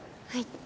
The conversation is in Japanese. はい。